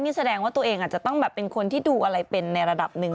นี่แสดงว่าตัวเองอาจจะต้องแบบเป็นคนที่ดูอะไรเป็นในระดับหนึ่ง